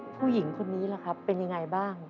ผู้หญิงคนนี้ล่ะครับเป็นยังไงบ้าง